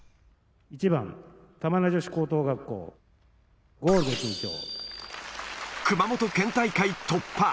１番、玉名女子高等学校、熊本県大会突破。